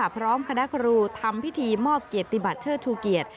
พร้อมคณะครูทำพิธีมอบเกียรติบัติเชิดชูเกียรติ